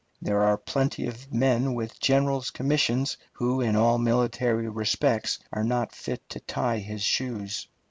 There are plenty of men with generals' commissions who in all military respects are not fit to tie his shoes.